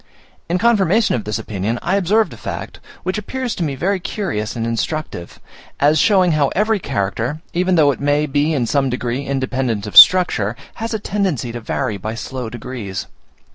In confirmation of this opinion, I observed a fact, which appears to me very curious and instructive, as showing how every character, even though it may be in some degree independent of structure, has a tendency to vary by slow degrees.